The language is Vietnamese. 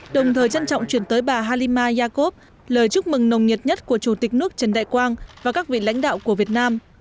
đồng thời trân trọng chuyển tới bà halima yakov lời chúc mừng nồng nhiệt nhất của chủ tịch nước trần đại quang và các vị lãnh đạo của việt nam